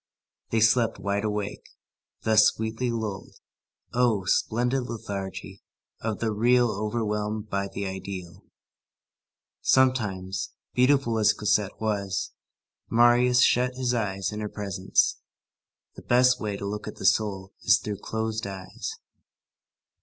They slept wide awake, thus sweetly lulled. Oh! splendid lethargy of the real overwhelmed by the ideal. Sometimes, beautiful as Cosette was, Marius shut his eyes in her presence. The best way to look at the soul is through closed eyes.